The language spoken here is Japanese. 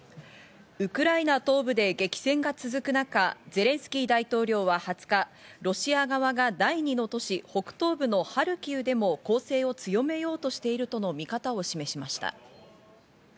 ウクライナ東部で激戦が続く中、ゼレンスキー大統領は２０日、ロシア側が第２の都市、北東部のハルキウでも攻勢を強めようとしているとの見方を示しました。